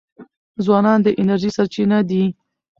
ځوانان د انرژی سرچینه دي.